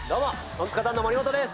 トンツカタンの森本です。